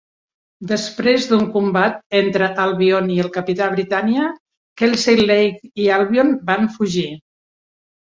Després d'un combat entre Albion i el capità Britània, Kelsey Leigh i Albion van fugir.